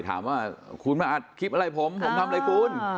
ถามว่าคุณมาอัดคลิปอะไรผมผมทำอะไรคุณ